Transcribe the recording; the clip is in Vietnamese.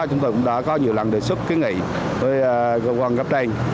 chúng tôi cũng đã có nhiều lần đề xuất kế nghị với cơ quan gấp tranh